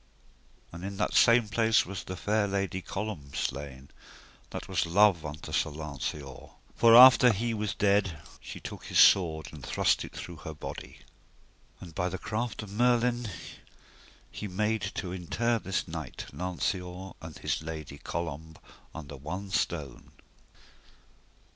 And in that same place was the fair lady Colombe slain, that was love unto Sir Lanceor; for after he was dead she took his sword and thrust it through her body. And by the craft of Merlin he made to inter this knight, Lanceor, and his lady, Colombe, under one stone.